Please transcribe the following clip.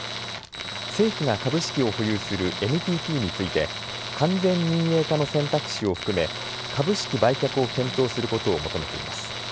政府が株式を保有するＮＴＴについて完全民営化の選択肢を含め株式売却を検討することを求めています。